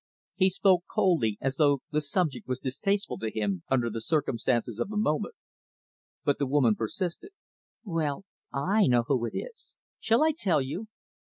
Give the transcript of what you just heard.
He spoke coldly, as though the subject was distasteful to him, under the circumstances of the moment. But the woman persisted. "Well, I know who it is. Shall I tell you?"